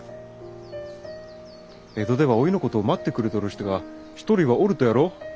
江戸ではおいのことを待ってくれとる人が１人はおるとやろ？